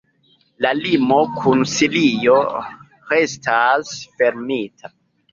La limo kun Sirio restas fermita.